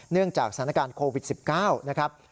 จากสถานการณ์โควิด๑๙นะครับ